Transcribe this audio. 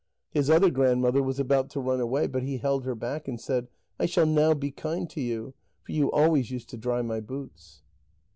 His other grandmother was about to run away, but he held her back, and said: "I shall now be kind to you, for you always used to dry my boots."